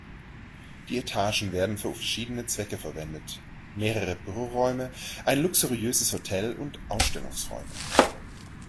Die Etagen werden für verschiedene Zwecke verwendet: Mehrere Büroräume, ein luxuriöses Hotel und Ausstellungsräume.